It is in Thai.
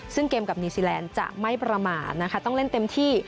ซึ่งเกมกับนิวซีแลนด์จะไม่ประมาทนะคะต้องเล่นเต็มที่